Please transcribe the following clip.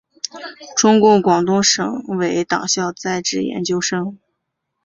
中共广东省委党校在职研究生。